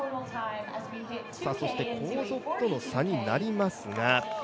そして後続との差になりますが。